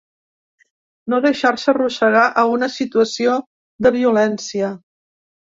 No deixar-se arrossegar a una situació de violència